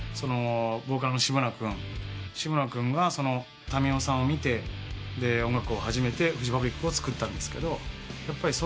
ボーカルの志村君が民生さんを見て音楽を始めてフジファブリックをつくったんです。